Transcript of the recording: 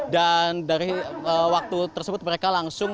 dan dari waktu tersebut mereka langsung